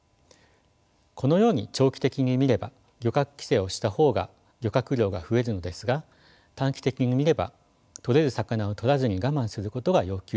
このように長期的に見れば漁獲規制をした方が漁獲量が増えるのですが短期的に見ればとれる魚をとらずに我慢することが要求されます。